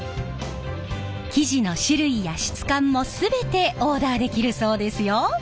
生地の種類や質感も全てオーダーできるそうですよ！